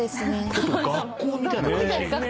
ちょっと学校みたいな感じ。